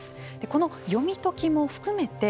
この読み解きも含めて